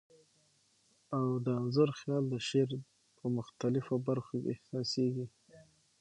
او د انځور خیال د شعر په مختلفو بر خو کي احسا سیږی.